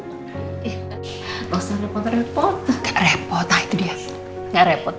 eh nggak repot repot repot itu dia nggak repot